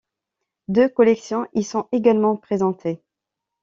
Deux collections y sont également présentées.